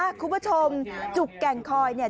คุณผู้ชมจุกแก่งคอยเนี่ย